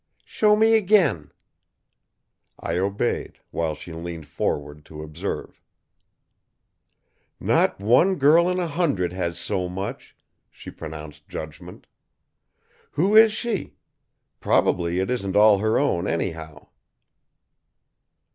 "Show me again." I obeyed, while she leaned forward to observe. "Not one girl in a hundred has so much," she pronounced judgment. "Who is she? Probably it isn't all her own, anyhow!"